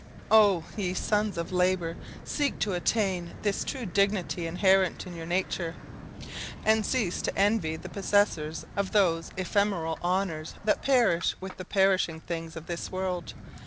Oh! ye sons of labour, seek to attain this true dignity inherent in your nature, and cease to envy the possessors of those ephemeral honours that perish with the perishing things of this world.